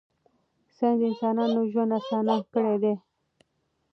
ساینس د انسانانو ژوند اسانه کړی دی.